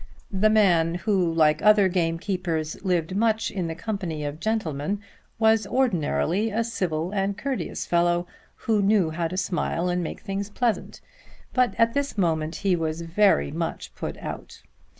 The man who, like other gamekeepers, lived much in the company of gentlemen, was ordinarily a civil courteous fellow, who knew how to smile and make things pleasant. But at this moment he was very much put out.